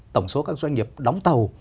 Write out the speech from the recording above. tổng số các doanh nghiệp đóng tàu